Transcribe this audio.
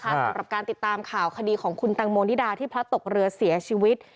สำหรับการติดตามข่าวคดีของคุณตังโมนิดาที่พระตกเรือเสียชีวิต